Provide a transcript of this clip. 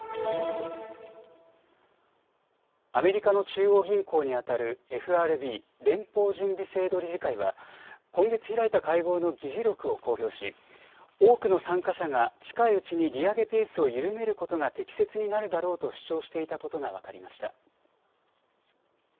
アメリカの中央銀行にあたるＦＲＢ・連邦準備制度理事会は今月開いた会合の議事録を公表し、多くの参加者が近いうちに利上げペースを緩めることが適切になるだろうと主張していたことが分かりました。